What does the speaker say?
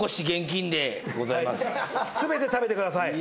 全て食べてください。